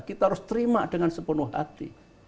kita harus terima dengan sepenuh hati